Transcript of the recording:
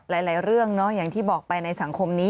หลายเรื่องอย่างที่บอกไปในสังคมนี้